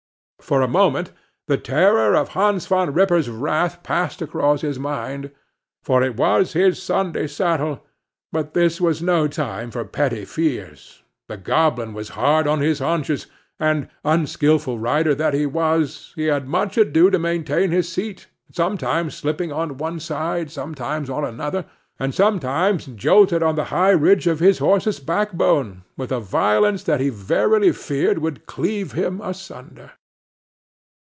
For a moment the terror of Hans Van Ripper's wrath passed across his mind, for it was his Sunday saddle; but this was no time for petty fears; the goblin was hard on his haunches; and (unskilful rider that he was!) he had much ado to maintain his seat; sometimes slipping on one side, sometimes on another, and sometimes jolted on the high ridge of his horse's backbone, with a violence that he verily feared would cleave him asunder.